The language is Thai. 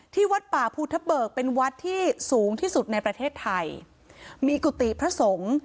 วัดป่าภูทะเบิกเป็นวัดที่สูงที่สุดในประเทศไทยมีกุฏิพระสงฆ์